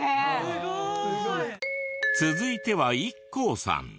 すごい！続いてはＩＫＫＯさん。